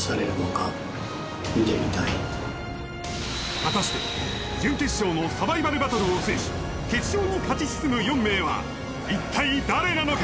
果たして準決勝のサバイバルバトルを制し決勝に勝ち進む４名は一体誰なのか？